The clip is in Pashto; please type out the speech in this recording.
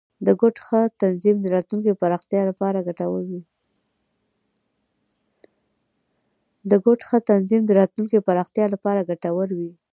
د کوډ ښه تنظیم، د راتلونکي پراختیا لپاره ګټور وي.